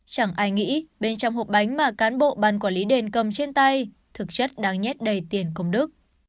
chẳng ai nghĩ bên trong hộp bánh mà cán bộ ban quản lý đền cầm trên tay thực chất đang nhét đầy tiền công đức